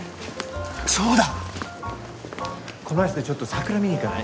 そうだこの足でちょっと桜見に行かない？